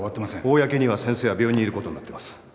公には先生は病院にいる事になっています。